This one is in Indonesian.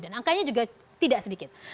dan angkanya juga tidak sedikit